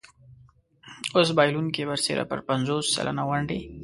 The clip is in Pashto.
اوس بایلونکی برسېره پر پنځوس سلنه ونډې.